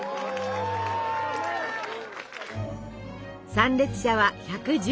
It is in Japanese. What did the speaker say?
参列者は１１０人。